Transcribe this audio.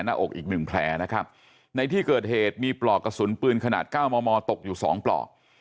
หน้าอกอีกหนึ่งแผลนะครับในที่เกิดเหตุมีปลอกกระสุนปืนขนาด๙มมตกอยู่สองปลอก